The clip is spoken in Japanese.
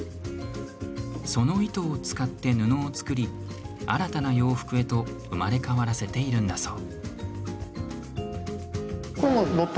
その糸を使って布を作り新たな洋服へと生まれ変わらせているんだそう。